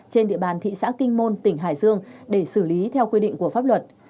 trên địa bàn thị xã kinh môn tỉnh hải dương để xử lý theo quy định của pháp luật